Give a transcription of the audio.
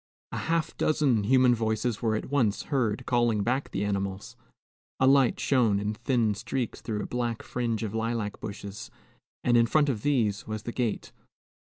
A half dozen human voices were at once heard calling back the animals. A light shone in thin streaks through a black fringe of lilac bushes, and in front of these was the gate.